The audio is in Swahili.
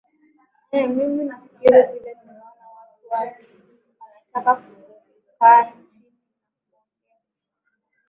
eeh mi nafikiri vile nimeona watu watu wanataka kukaa chini na kuongea